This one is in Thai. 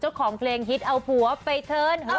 เจ้าของเพลงฮิตเอาผัวไปเทิร์น